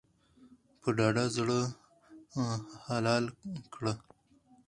په ډاډه زړه حلال کړه.